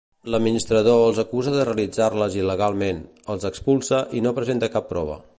L'administrador els acusa de realitzar-les il·legalment, els expulsa i no presenta cap prova.